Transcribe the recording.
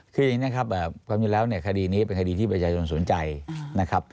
คืออย่างนี้นะครับความจริงแล้วเนี่ยคดีนี้เป็นคดีที่ประชาชนสนใจนะครับ